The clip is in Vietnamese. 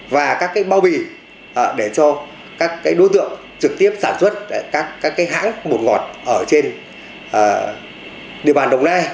và các cái bào bỉ để cho các cái đối tượng trực tiếp sản xuất các cái hãng bột ngọt ở trên địa bàn đồng nai